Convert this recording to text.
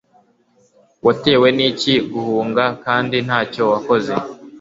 watewe n iki guhunga kandi ntacyo wakoze